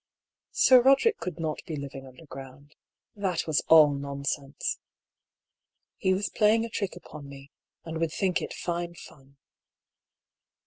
Sir Roderick could not be living underground — ^that was all nonsense. He was playing a trick upon me, and would think it fine fun.